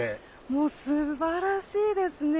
もうすばらしいですね。